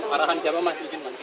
arahannya siapa mas